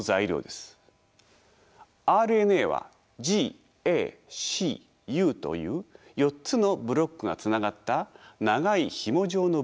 ＲＮＡはＧＡＣＵという４つのブロックがつながった長いひも状の分子です。